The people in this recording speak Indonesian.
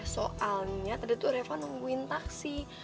soalnya tadi tuh reva nungguin taksi